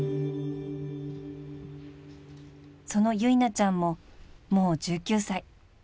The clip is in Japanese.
［その由奈ちゃんももう１９歳］